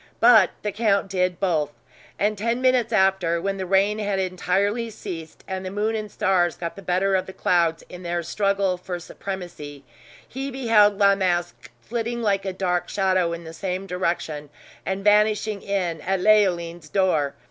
But the count did both; and ten minutes after, when the rain had entirely ceased, and the moon and stars got the better of the clouds in their struggle for supremacy, he beheld La Masque flitting like a dark shadow in the same direction, and vanishing in at Leoline's door.